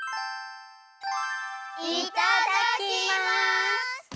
いただきます！